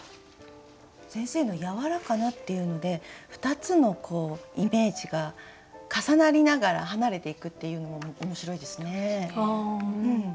先生の「やわらかな」っていうので２つのイメージが重なりながら離れていくっていうのも面白いですね。